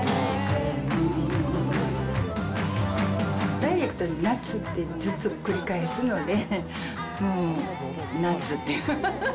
ダイレクトに、夏ってずっと繰り返すので、もう夏っていう。